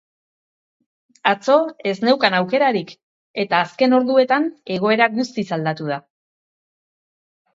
Atzo ez neukan aukerarik eta azken orduetan egoera guztiz aldatu da.